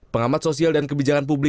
pengamat sosial dan kebijakan publik